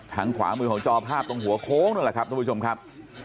ทางขวามือของจอภาพตรงหัวโค้งนั่นแหละครับทุกผู้ชมครับ